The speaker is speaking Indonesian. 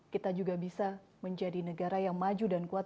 kita juga bisa menjadi negara yang maju dan kuat